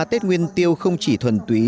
tết nguyên tiêu không chỉ thuần túy